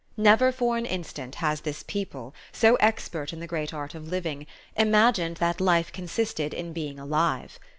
Never for an instant has this people, so expert in the great art of living, imagined that life consisted in being alive.